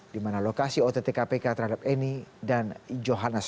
di mana lokasi ott kpk terhadap eni dan johannes